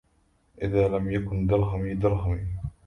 إذ لم يكن درهمي درهمي